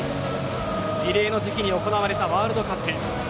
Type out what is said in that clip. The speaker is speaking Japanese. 異例の時期に行われたワールドカップ。